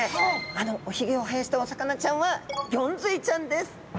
あのおひげを生やしたお魚ちゃんはゴンズイちゃんです！